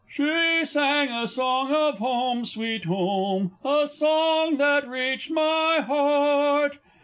"She sang a Song of Home Sweet Home a song that reached my heart!")